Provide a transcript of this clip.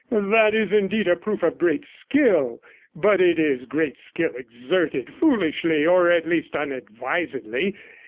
'That is indeed a proof of great skill, but it is great skill exerted foolishly, or at least unadvisedly.